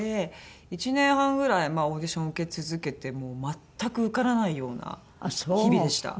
１年半ぐらいオーディション受け続けても全く受からないような日々でした。